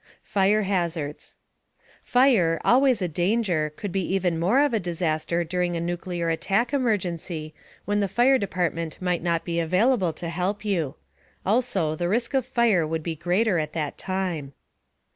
FIRE HAZARDS Fire, always a danger, could be even more of a disaster during a nuclear attack emergency when the fire department might not be available to help you. Also, the risk of fire would be greater at that time.